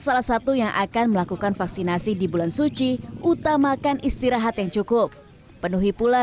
salah satu yang akan melakukan vaksinasi di bulan suci utamakan istirahat yang cukup penuhi pula